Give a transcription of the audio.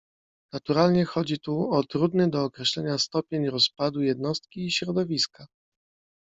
Naturalnie chodzi tu o trudny do określenia stopień roz padu jednostki i środowiska.